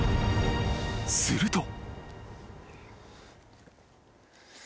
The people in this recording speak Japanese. すると］